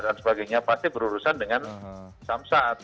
dan sebagainya pasti berurusan dengan samsat